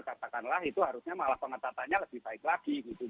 katakanlah itu harusnya malah pengetatannya lebih baik lagi gitu